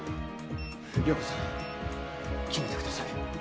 涼子さん決めてください。